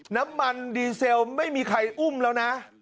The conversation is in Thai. น้ำมันดีเซลไม่มีใครอุ้มแล้วนะ